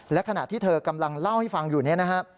และขณะที่เธอกำลังเล่าให้ฟังอยู่เนี่ยนะฮะ